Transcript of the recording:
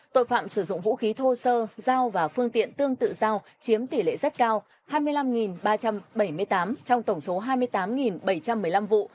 tội phạm sử dụng vũ khí thô sơ dao và phương tiện tương tự dao chiếm tỷ lệ rất cao hai mươi năm ba trăm bảy mươi tám trong tổng số hai mươi tám bảy trăm một mươi năm vụ